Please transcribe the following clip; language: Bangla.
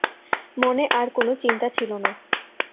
মনে আর কোনো চিন্তা ছিল না।